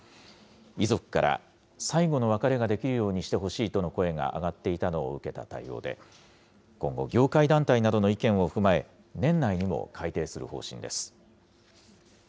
遺族から、最後の別れができるようにしてほしいとの声が上がっていたのを受けた対応で、今後、業界団体などの意見を踏まえ、年内にも改定する方針です。